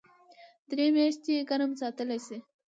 درې میاشتې ګرم ساتلی شي .